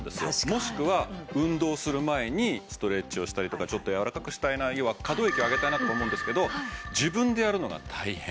もしくは運動する前にストレッチをしたりとかちょっとやわらかくしたいな要は可動域を上げたいなって思うんですけど自分でやるのが大変。